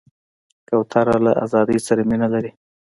کوتره له آزادۍ سره مینه لري.